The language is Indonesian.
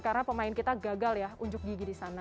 karena pemain kita gagal ya unjuk gigi di sana